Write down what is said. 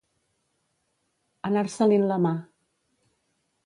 Anar-se-li'n la mà.